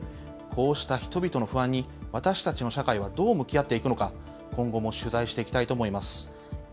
こうした人々の不安に、私たちの社会はどう向き合っていくのか、今後も取材していきたいと思います。